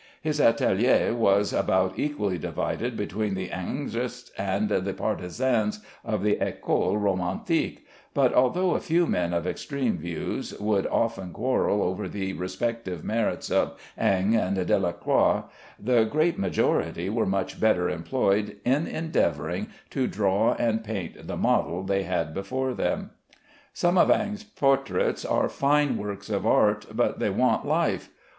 His atelier was about equally divided between the Ingrests and the partisans of the école romantique, but although a few men of extreme views would often quarrel over the respective merits of Ingres and Delacroix, the great majority were much better employed in endeavoring to draw and paint the model they had before them. Some of Ingres' portraits are fine works of art, but they want life.